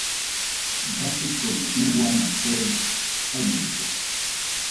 Batɨconi iuana kue aɨnide.